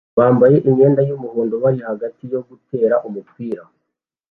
bambaye imyenda yumuhondo bari hagati yo gutera umupira